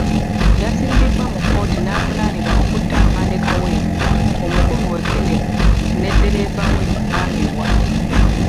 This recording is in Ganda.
Yasimbibwa mu kkooti n'avunaanibwa okutta Afande Kaweesi, Omukuumi we Kenneth ne ddereeva we Mambewa.